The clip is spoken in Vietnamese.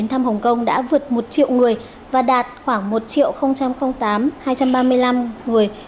thăm hồng kông đã vượt một triệu người và đạt khoảng một tám hai trăm ba mươi năm người